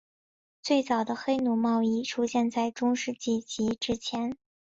最早的黑奴贸易出现在中世纪及之前。